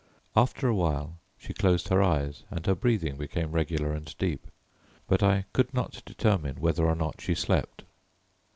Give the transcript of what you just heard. After a while she closed her eyes and her breathing became regular and deep, but I could not determine whether or not she slept.